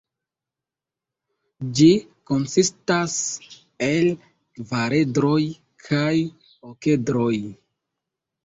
Ĝi konsistas el kvaredroj kaj okedroj.